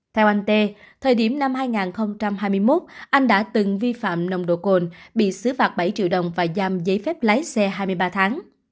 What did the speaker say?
theo anh tê thời điểm năm hai nghìn hai mươi một anh đã từng vi phạm nồng độ cồn bị xứ phạt bảy triệu đồng và giam giấy phép lái xe hai mươi ba tháng